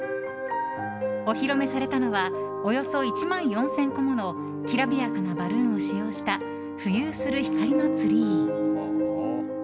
お披露目されたのはおよそ１万４０００個ものきらびやかなバルーンを使用した浮遊する光のツリー。